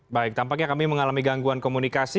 baik tampaknya kami mengalami gangguan komunikasi